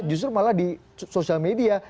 justru malah di sosial media